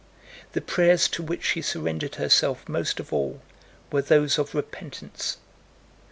The prayers to which she surrendered herself most of all were those of repentance.